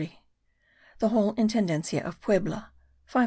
The whole Intendencia of Puebla : 540.